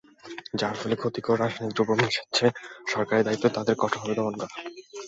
যারা ফলে ক্ষতিকর রাসায়নিক দ্রব্য মেশাচ্ছে, সরকারের দায়িত্ব তাদের কঠোরভাবে দমন করা।